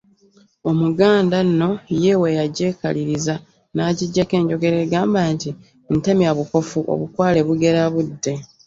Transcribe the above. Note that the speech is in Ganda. Omuganda nno ye we yagyekaliriza n’agiggyako enjogera egamba nti, “Ntemya bukofu obukwale bugera budde.”